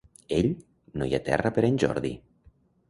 Ell, no hi ha terra per a en Jordi!